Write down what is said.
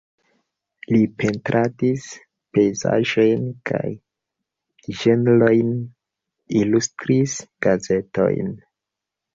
Li pentradis pejzaĝojn kaj ĝenrojn, ilustris gazetojn.